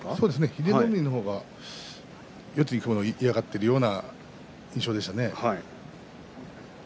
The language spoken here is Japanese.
英乃海の方が四つに組むのを嫌がってるような印象でしたね。